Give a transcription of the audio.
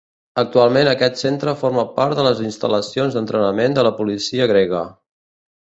Actualment aquest centre forma part de les instal·lacions d'entrenament de la policia grega.